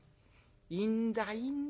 「いいんだいいんだ。